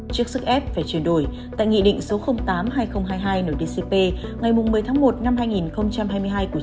trước sức ép phải chuyển đổi tại nghị định số tám hai nghìn hai mươi hai nội dcp ngày một mươi một hai nghìn hai mươi hai của chính phủ